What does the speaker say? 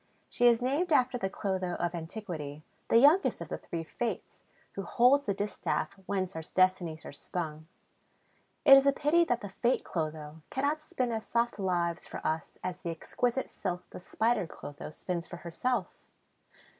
She is named after the Clotho of antiquity, the youngest of the Three Fates, who holds the distaff whence our destinies are spun. It is a pity that the Fate Clotho cannot spin as soft lives for us as the exquisite silk the Spider Clotho spins for herself!